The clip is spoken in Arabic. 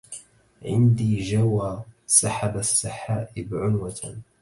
عندي جوى سحب السحائب عنوة